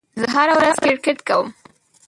زه هره ورځ کرېکټ کوم.